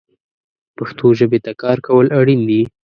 پښتو ژبې ته کار کول اړین دي